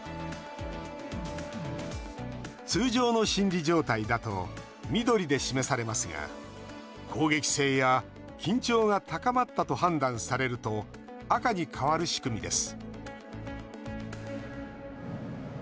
通常の心理状態だと緑で示されますが攻撃性や緊張が高まったと判断されると赤に変わる仕組みです